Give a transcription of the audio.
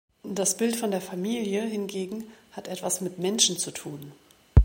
Das Bild von der Familie hingegen hat etwas mit Menschen zu tun.